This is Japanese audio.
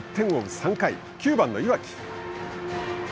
３回９番の岩城。